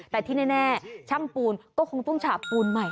แต่ที่แน่ช่างปูนก็คงต้องฉาบปูนใหม่